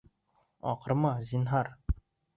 Аҡырма, зинһар!